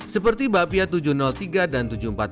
seperti bapia tujuh ratus tiga dan tujuh ratus empat puluh